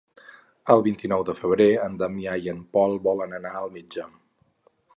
El vint-i-nou de febrer en Damià i en Pol volen anar al metge.